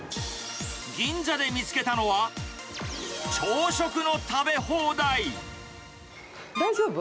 銀座で見つけたのは、朝食の大丈夫？